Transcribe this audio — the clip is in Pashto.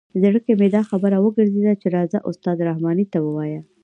زړه کې مې دا خبره وګرځېده چې راځه استاد رحماني ته ووایه.